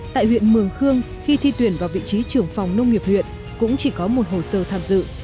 tại huyện mường khương khi thi tuyển vào vị trí trưởng phòng nông nghiệp huyện cũng chỉ có một hồ sơ tham dự